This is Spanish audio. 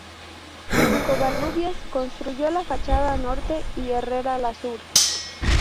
Covarrubias construyó la fachada norte y Herrera la sur.